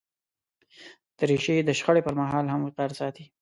دریشي د شخړې پر مهال هم وقار ساتي.